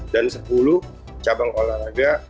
dan sepuluh cabang olahraga